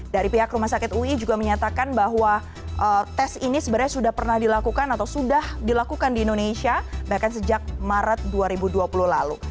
dari pihak rumah sakit ui juga menyatakan bahwa tes ini sebenarnya sudah pernah dilakukan atau sudah dilakukan di indonesia bahkan sejak maret dua ribu dua puluh lalu